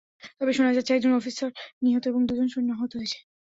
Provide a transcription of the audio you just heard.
তবে শোনা যাচ্ছে, একজন অফিসার নিহত এবং দুজন সৈন্য আহত হয়েছে।